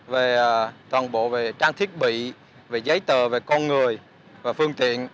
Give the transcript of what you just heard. về toàn bộ trang thiết bị giấy tờ về con người và phương tiện